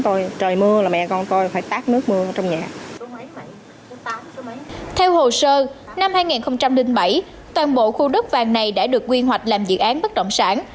theo hồ sơ năm hai nghìn bảy toàn bộ khu đất vàng này đã được quy hoạch làm dự án bất động sản